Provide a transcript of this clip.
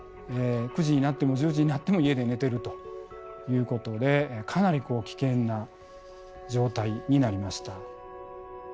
９時になっても１０時になっても家で寝てるということでかなり危険な状態になりました。